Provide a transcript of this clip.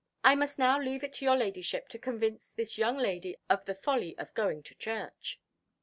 I must now leave it to your Ladyship to convince this young lady of the folly of going to church."